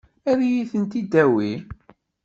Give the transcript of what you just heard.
Ad iyi-tent-id-tawi?